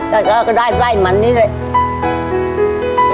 แต่ก็ได้ไส้มันนี่แหละ